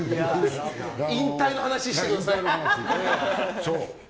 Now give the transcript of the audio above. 引退の話してください。